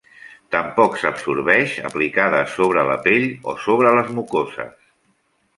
Tampoc s'absorbeix aplicada sobre la pell o sobre les mucoses.